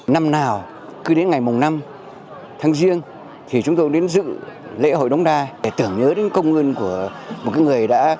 năm nào cứ đến ngày mùng năm tháng riêng thì chúng tôi đến dự lễ hội đống đai để tưởng nhớ đến công ơn của một người đã